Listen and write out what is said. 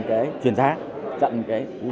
cái chuyển giá chặn cái